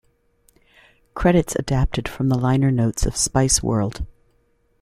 Credits adapted from the liner notes of "Spiceworld".